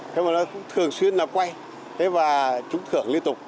thế mà nó cũng thường xuyên là quay thế mà trúng thưởng liên tục